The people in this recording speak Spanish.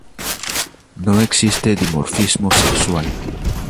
No existe dimorfismo sexual.